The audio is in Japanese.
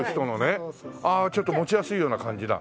ああちょっと持ちやすいような感じだ。